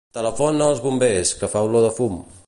Telefona als bombers, que fa olor de fum.